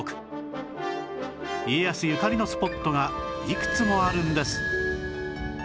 家康ゆかりのスポットがいくつもあるんです